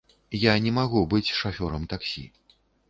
Я не магу быць шафёрам таксі.